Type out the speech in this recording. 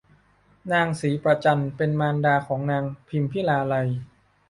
นางศรีประจันเป็นมารดานางพิมพิลาไลย